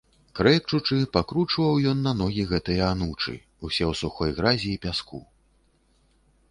Крэкчучы, пакручваў ён на ногі гэтыя анучы, усе ў сухой гразі і пяску.